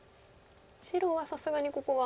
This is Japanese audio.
白はさすがにここは。